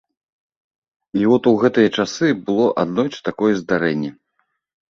І от у гэтыя часы было аднойчы такое здарэнне.